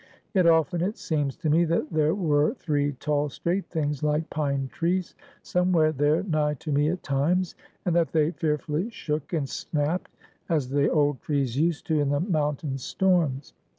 Yet often it seems to me that there were three tall, straight things like pine trees somewhere there nigh to me at times; and that they fearfully shook and snapt as the old trees used to in the mountain storms.